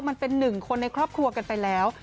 มันเป็นหนึ่งคนในครอบครัวกันไปแล้ว